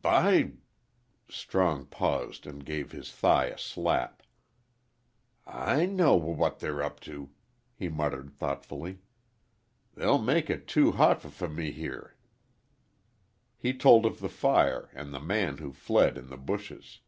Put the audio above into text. "By " Strong paused and gave his thigh a slap. "I know w what they're up to," he muttered, thoughtfully. "They'll make it too hot f fer m me here." He told of the fire and the man who fled in the bushes.